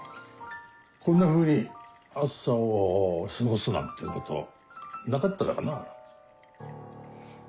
こんなふうに朝を過ごすなんてことなかったからな。